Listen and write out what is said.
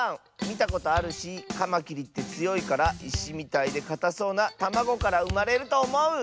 みたことあるしカマキリってつよいからいしみたいでかたそうなたまごからうまれるとおもう！